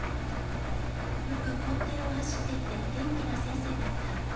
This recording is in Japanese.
よく校庭を走っていて、元気な先生だった。